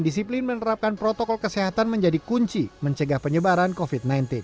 disiplin menerapkan protokol kesehatan menjadi kunci mencegah penyebaran covid sembilan belas